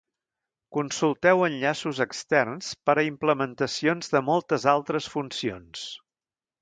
Consulteu enllaços externs per a implementacions de moltes altres funcions.